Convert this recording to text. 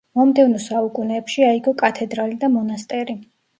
მომდევნო საუკუნეებში აიგო კათედრალი და მონასტერი.